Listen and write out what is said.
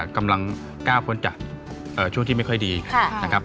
กำลังก้าวพ้นจากช่วงที่ไม่ค่อยดีนะครับ